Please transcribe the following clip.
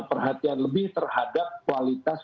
perhatian lebih terhadap kualitas